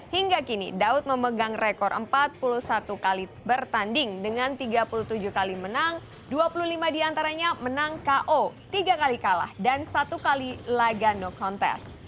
hingga kini daud memegang rekor empat puluh satu kali bertanding dengan tiga puluh tujuh kali menang dua puluh lima diantaranya menang ko tiga kali kalah dan satu kali laga no contest